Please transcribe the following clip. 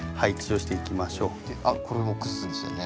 あっこれも崩すんでしたよね。